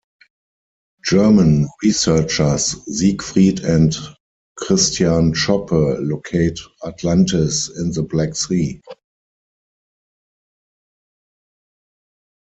German researchers Siegfried and Christian Schoppe locate Atlantis in the Black Sea.